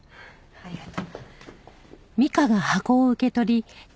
ありがとう。